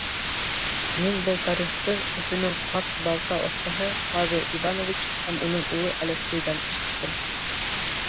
Мин был тарихты Өфөнөң ҡарт балта оҫтаһы Павел Иванович һәм уның улы Алексейҙан ишеттем.